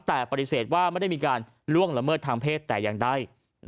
แต่ปฏิเสธว่าไม่ได้มีการล่วงละเมิดทางเพศแต่อย่างใด